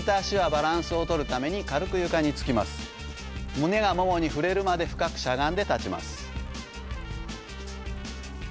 胸がももに触れるまで深くしゃがんで立ちます。